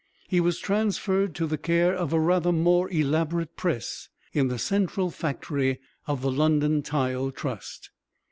He was transferred to the care of a rather more elaborate press in the central factory of the London Tile Trust.